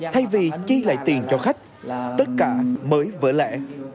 thay vì chi lại tiền cho khách tất cả mới vỡ lẻ